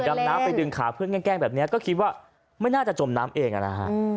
ดำน้ำไปดึงขาเพื่อนแกล้งแบบนี้ก็คิดว่าไม่น่าจะจมน้ำเองนะฮะ